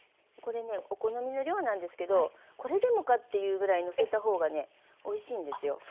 これねお好みの量なんですけどこれでもかっていうぐらいのせた方がねおいしいんですよ。